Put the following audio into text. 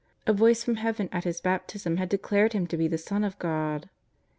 A Voice from Heaven at His Baptism had declared Him to be the Son of God.